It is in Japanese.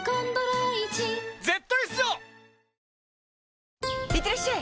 はいいってらっしゃい！